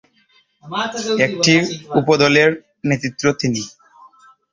একটি উপদলের নেতৃত্বে তিনি।